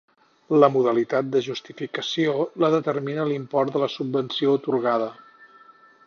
La modalitat de justificació la determina l'import de la subvenció atorgada.